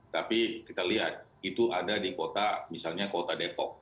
tapi kita lihat itu ada di kota misalnya kota depok